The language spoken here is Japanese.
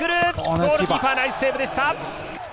ゴールキーパー、ナイスセーブでした。